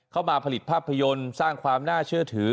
เข้ามาผลิตภาพยนตร์สร้างความน่าเชื่อถือ